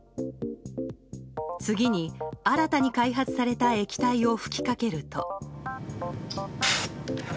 次に、新たに開発された液体を吹きかけると。